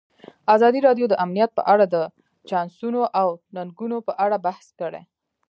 ازادي راډیو د امنیت په اړه د چانسونو او ننګونو په اړه بحث کړی.